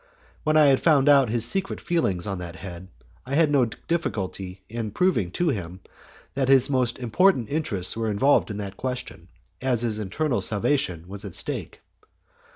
When I had found out his secret feelings on that head, I had no difficulty in proving to him that his most important interests were involved in that question, as his eternal salvation was at stake.